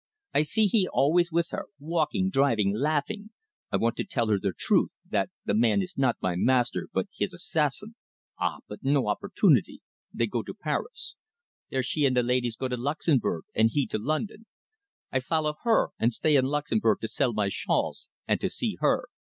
I see he always with her walking, driving, laughing. I want to tell her the truth that the man is not my master, but his assassin. Ah! but no opportunity. They go to Paris. Then she and the laidees go to Luxemburg, and he to London. I follow her, and stay in Luxemburg to sell my shawls, and to see her.